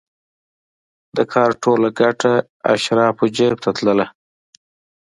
د کار ټوله ګټه د اشرافو جېب ته تلله.